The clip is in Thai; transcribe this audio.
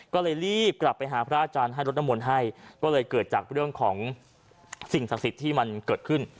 ก็เลยรีบกลับไปหาพระอาจารย์ให้รดน้ำมนต์ให้ก็เลยเกิดจากเรื่องของสิ่งศักดิ์สิทธิ์ที่มันเกิดขึ้น